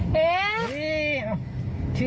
เต็มเลย